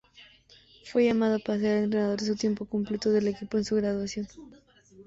Fue llamado para ser el entrenador de tiempo completo del equipo en su graduación.